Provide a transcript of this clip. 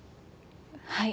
はい。